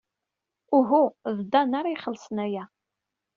Uhu, d Dan ara ixellṣen aya.